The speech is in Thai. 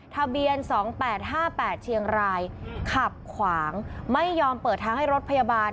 ทะเบียน๒๘๕๘เชียงรายขับขวางไม่ยอมเปิดทางให้รถพยาบาล